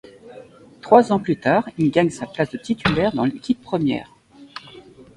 Trois ans plus tard, il gagne sa place de titulaire dans l'équipe première.